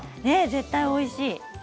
絶対においしい。